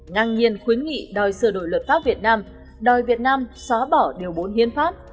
ngang nhiên khuyến nghị đòi sửa đổi luật pháp việt nam đòi việt nam xóa bỏ điều bốn hiên pháp